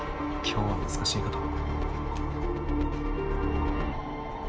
今日は難しいかと。